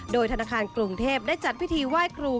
โดยธนาคารกรุงเทพได้จัดพิธีไหว้ครู